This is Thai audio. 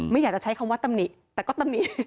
ไม่อยากจะใช้คำว่าตำหนิแต่ก็ตำหนิ